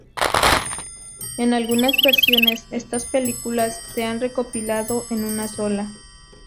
En algunas versiones, estas películas se han recopilado en una sola.